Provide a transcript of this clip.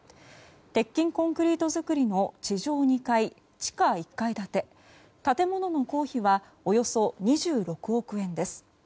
鉄筋コンクリート造りの地上２階地下１階建てで建物の工費はおよそ２６億円です。